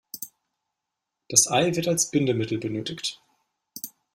Das Ei wird als Bindemittel benötigt.